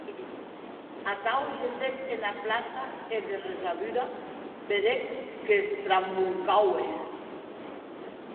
Atau gessec ena plaça e de ressabuda vedec qu'estramuncaue.